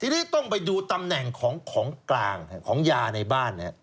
ทีนี้ต้องไปดูตำแหน่งของกลางของยาในบ้าน